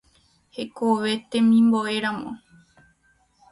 Hekove temimbo'éramo.